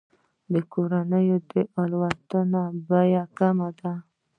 د کورنیو الوتنو بیه کمه ده.